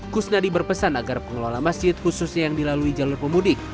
kusnadi berpesan agar pengelola masjid khususnya yang dilalui jalur pemudik